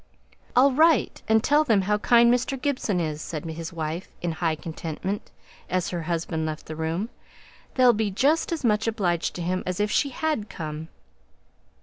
"I'll write and tell them how kind Mr. Gibson is," said his wife in high contentment, as her husband left the room. "They'll be just as much obliged to him as if she had come!"